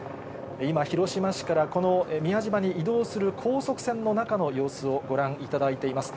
今、広島市から、この宮島に移動する高速船の中の様子をご覧いただいています。